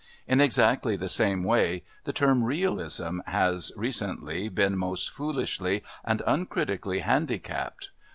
In exactly the same way the term "Realism" has, recently, been most foolishly and uncritically handicapped.